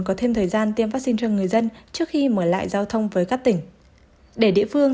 có thêm thời gian tiêm vaccine cho người dân trước khi mở lại giao thông với các tỉnh để địa phương